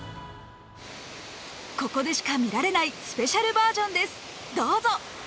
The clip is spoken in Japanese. ここでしか見られないスペシャルバージョンです。